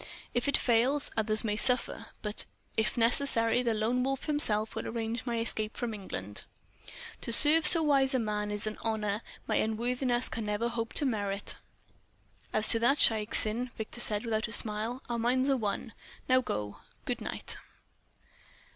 "If it fail, others may suffer, but if necessary the Lone Wolf himself will arrange my escape from England." "To serve so wise a man is an honour my unworthiness can never hope to merit." "As to that, Shaik Tsin," Victor said without a smile, "our minds are one. Go now. Good night."